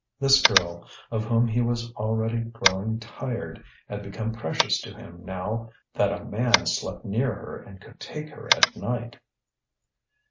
This girl, of whom he was already growing tired, had become precious to him now that a man slept near her and could take her at night.